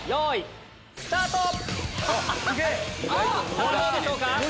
さぁどうでしょうか？